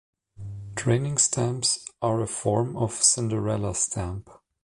Training stamps are a form of cinderella stamp.